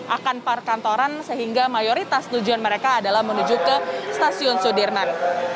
akan part kantoran sehingga mayoritas tujuan mereka adalah menuju ke stasiun sudirman